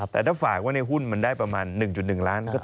แต่ถ้าฝากกันฮุ้นมันได้ประมาณ๑๑ล้านก็ต่างกัน๓๕บาท